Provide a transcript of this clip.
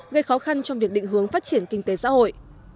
gây khó khăn trong việc định hướng phát triển kinh tế xã hội